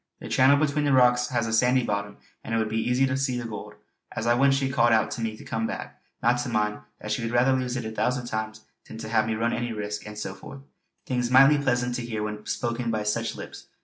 The channel between the rocks has a sandy bottom, and it would be easy to see the gold. As I went she called out to me to come back, not to mind, that she would rather lose it a thousand times than have me run any risk, and so forth; things mightily pleasant to hear when spoken by such lips.